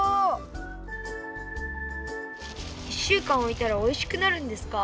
１週間おいたらおいしくなるんですか？